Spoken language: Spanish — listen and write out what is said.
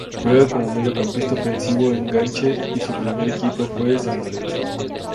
Juega como mediocampista ofensivo o enganche y su primer equipo fue San Lorenzo.